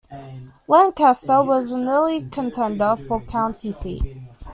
Lancaster was an early contender for county seat.